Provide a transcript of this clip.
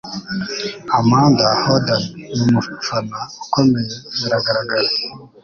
Amanda Holden numufana ukomeye, biragaragara